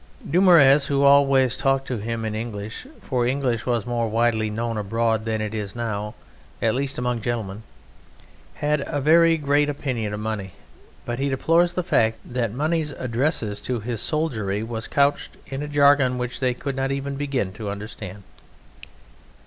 Dumouriez, who always talked to him in English (for English was more widely known abroad then than it is now, at least among gentlemen), had a very great opinion of Money; but he deplores the fact that Money's address to his soldiery was couched "in a jargon which they could not even begin to understand."